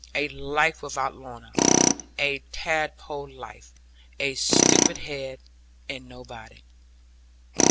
A life without Lorna; a tadpole life. All stupid head; and no body.